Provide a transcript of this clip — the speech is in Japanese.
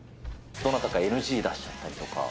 どなたかＮＧ出しちゃったりとか。